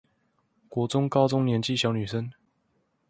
國中高中年紀小女生